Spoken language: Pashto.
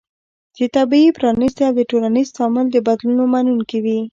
چې طبیعي، پرانستې او د ټولنیز تعامل د بدلونونو منونکې وي